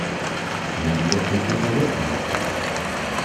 Einer dieser Techniker wird angeklagt.